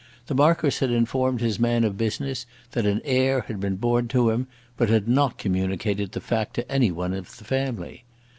The Marquis had informed his man of business that an heir had been born to him, but had not communicated the fact to any one of the family!